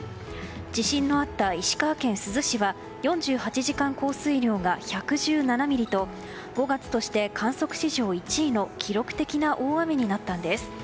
地震のあった石川県の珠洲市は４８時間降水量が１１７ミリと５月として観測史上１位の記録的な大雨になったんです。